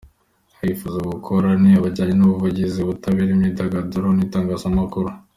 Akazi aba yifuza gukora ni akajyanye n’ubuvuzi, ubutabera, imyidagaduro n’itangazamakuru.